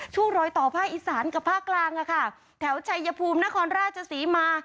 รอยต่อภาคอีสานกับภาคกลางค่ะแถวชัยภูมินครราชศรีมา